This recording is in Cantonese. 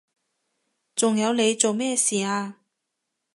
仲有你做咩事啊？